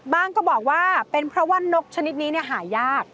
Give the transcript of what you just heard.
ก็บอกว่าเป็นเพราะว่านกชนิดนี้หายาก